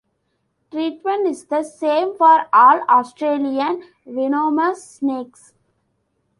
Treatment is the same for all Australian venomous snakes.